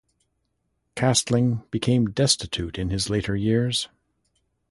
Castling became destitute in his later years.